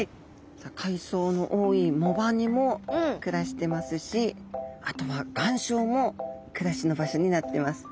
さあ海藻の多い藻場にも暮らしてますしあとは岩礁も暮らしの場所になってます。